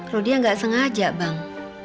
rodia gak sengaja bang